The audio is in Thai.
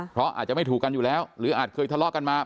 เพราะอาจจะไม่ถูกกันอยู่แล้วหรืออาจเคยทะเลาะกันมา